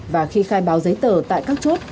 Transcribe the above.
và khi khai báo giấy tờ tại các chốt